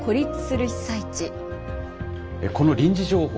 この臨時情報